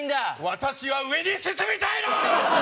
私は上に進みたいの！